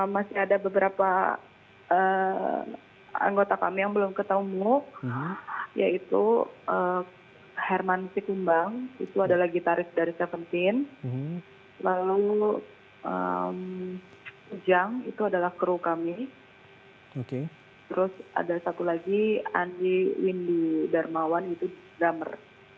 masih ada beberapa anggota kami yang belum ketemu yaitu herman sikumbang itu adalah gitaris dari tujuh belas lalu jang itu adalah kru kami terus ada satu lagi andi windy darmawan itu drummer